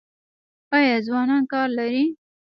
آیا ځوانان کار لري؟